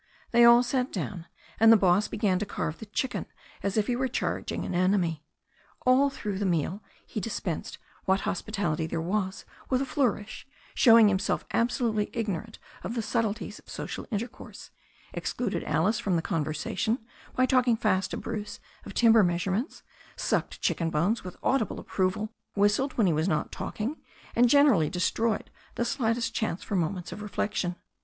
They all sat down, and the boss began to carve the chicken as if he were charging an enemy. All through the meal he dispensed what hospitality there was with a flour ish, showed himself absolutely ignorant of the subtleties of social intercourse, excluded Alice from the conversation by talking fast to Bruce of timber measurements, sucked chicken bones with audible approval, whistled when he was not talking, and generally destroyed the slightest chance for moments of reflection.